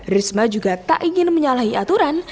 risma juga tak ingin menyalahi aturan